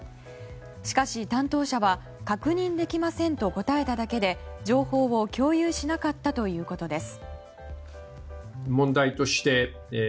しかし、担当者は確認できませんと答えただけで情報を共有しなかったということです。